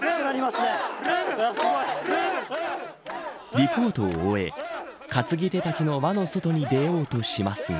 リポートを終え担ぎ手たちの輪の外に出ようとしますが。